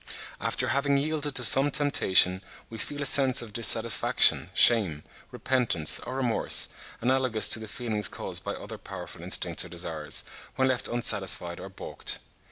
After having yielded to some temptation we feel a sense of dissatisfaction, shame, repentance, or remorse, analogous to the feelings caused by other powerful instincts or desires, when left unsatisfied or baulked.